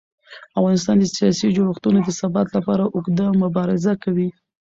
افغانستان د سیاسي جوړښتونو د ثبات لپاره اوږده مبارزه کوي